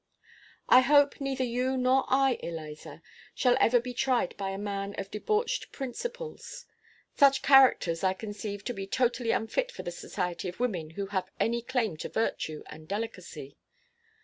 I hope neither you nor I, Eliza, shall ever be tried by a man of debauched principles. Such characters I conceive to be totally unfit for the society of women who have any claim to virtue and delicacy.